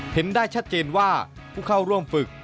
เห็นได้ชัดเจนว่าผู้เข้าร่วมฝึก